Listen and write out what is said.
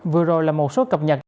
vừa rồi là một số cập nhật